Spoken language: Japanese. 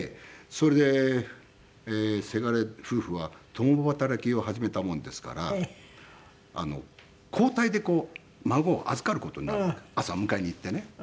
それでせがれ夫婦は共働きを始めたもんですから交代で孫を預かる事になるんで朝迎えに行ってね。